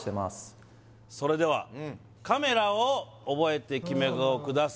それではカメラを覚えてキメ顔ください